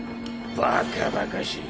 バカバカしい。